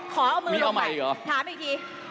ขอเอามือลงไปถามอีกที